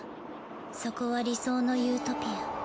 そこは理想のユートピア。